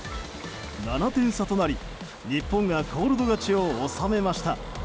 ７点差となり日本がコールド勝ちを収めました。